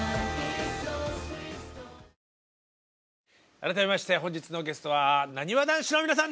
改めまして本日のゲストはなにわ男子の皆さんでございます！